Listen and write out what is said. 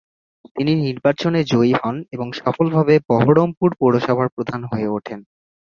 তিনি নির্বাচনে জয়ী হন এবং সফলভাবে বহরমপুর পৌরসভার প্রধান হয়ে উঠেন।